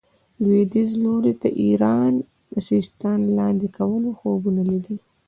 لوېدیځ لوري ته ایران د سیستان لاندې کولو خوبونه لیدل.